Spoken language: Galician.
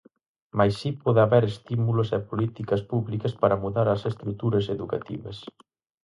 Mais si pode haber estímulos e políticas públicas para mudar as estruturas educativas.